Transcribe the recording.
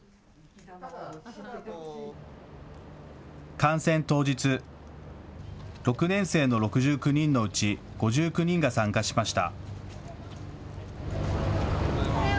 観戦当日、６年生の６９人のうち、５９人が参加しました。